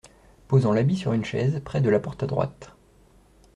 Posant l’habit sur une chaise, près de la porte à droite.